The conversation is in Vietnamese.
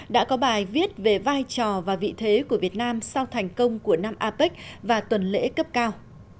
đã có bài viết về vai trò và vị thế của việt nam sau thành công của năm apec và tuần lễ cấp cao